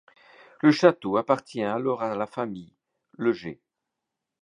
Le château appartient alors à la famille Le Jay.